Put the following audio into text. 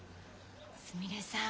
すみれさん